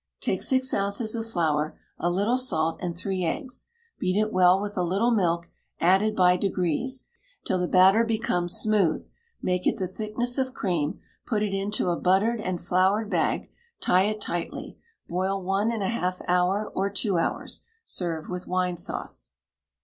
Take six ounces of flour, a little salt, and three eggs; beat it well with a little milk, added by degrees, till the batter becomes smooth; make it the thickness of cream; put it into a buttered and floured bag; tie it tightly; boil one and a half hour, or two hours. Serve with wine sauce.